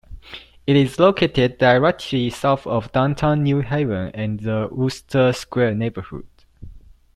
It is located directly south of downtown New Haven and the Wooster Square neighborhood.